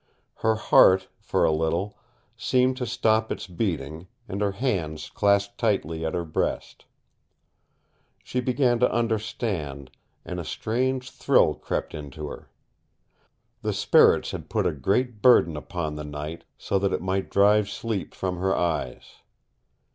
Her heart, for a little, seemed to stop its beating, and her hands clasped tightly at her breast. She began to understand, and a strange thrill crept into her. The spirits had put a great burden upon the night so that it might drive sleep from her eyes.